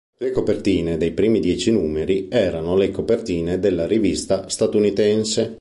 Le copertine dei primi dieci numeri erano le copertine della rivista statunitense.